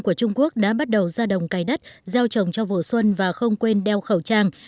các địa phương của trung quốc đã bắt đầu ra đồng cài đất giao trồng cho vụ xuân và không quên đeo khẩu trang